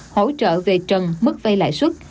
hỗ trợ về trần mức vây lại xuất